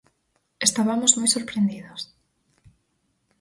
Estabamos moi sorprendidas.